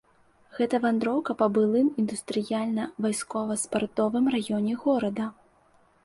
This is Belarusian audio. Гэта вандроўка па былым індустрыяльна-вайскова-спартовым раёне горада.